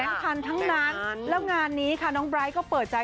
แล้วก็มีอาหารทั้งนั้นแล้วงานนี้น้องบริอยก็เปิดใจ